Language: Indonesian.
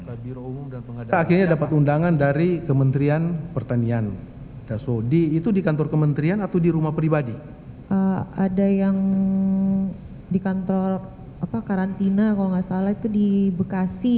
ada yang di kantor karantina kalau tidak salah itu di bekasi